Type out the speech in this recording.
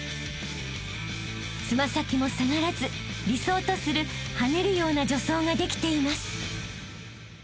［つま先も下がらず理想とする跳ねるような助走ができています］